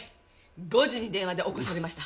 ５時に電話で起こされました。